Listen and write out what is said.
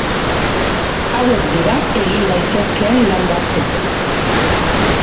Hauek dira egin daitezkeen lan batzuk.